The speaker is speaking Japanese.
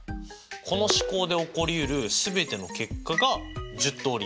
この試行で起こりうるすべての結果が１０通り。